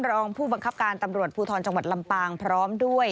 รองผู้บังคับการตำรวจภูทรจังหวัดลำปางพร้อมด้วย